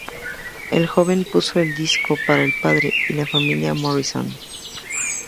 El joven puso el disco para el padre y la familia Morrison.